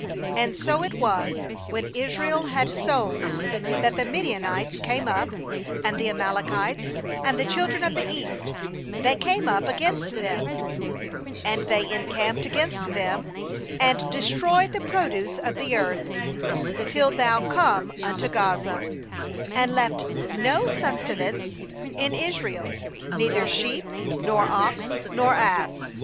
8And so it was, when Israel had sown, that the Midianites came up, and the Amalekites, and the children of the east; they came up against them; 4and they encamped against them, and destroyed the produce of the earth, till thou come unto Gaza, and left no sustenance in Israel, neither sheep, nor ox, nor ass.